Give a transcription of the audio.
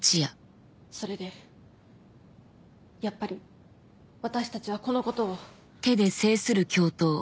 それでやっぱり私たちはこのことを。